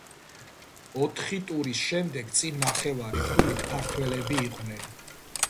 ოთხი ტურის შემდეგ წინ ნახევარი ქულით ქართველები იყვნენ.